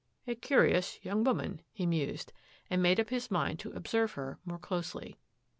" A curious young woman," he mused, and made up his mind to observe her more closely.